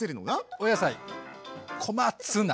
お野菜小松菜。